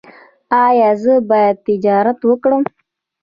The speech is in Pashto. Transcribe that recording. ایا زه باید تجارت وکړم؟